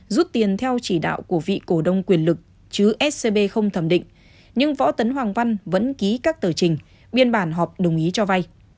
rút tiền theo chỉ đạo của vị cổ đông quyền lực chứ scb không thẩm định nhưng võ tấn hoàng văn vẫn ký các tờ trình biên bản họp đồng ý cho vay